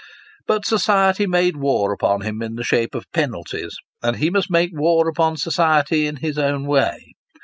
But society made war upon him in the shape of penalties, and he must make war upon society in his own way.